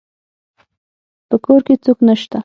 په کور کي څوک نسته